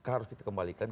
harus kita kembalikan